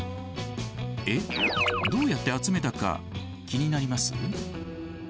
えっどうやって集めたか気になります？